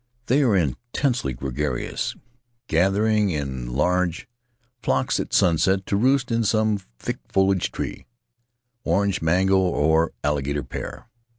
They are intensely gregarious, gathering in large flocks at sunset to roost in some thick foliaged tree — orange, mango, or alligator pear.